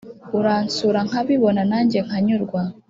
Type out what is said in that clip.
Uransura nkabibona nanjye nkanyurwa